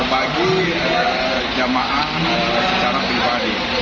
bagi jamaah secara pribadi